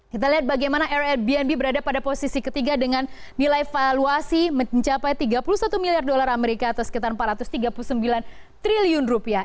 kita lihat bagaimana airbnb berada pada posisi ketiga dengan nilai valuasi mencapai tiga puluh satu miliar dolar amerika atau sekitar empat ratus tiga puluh sembilan triliun rupiah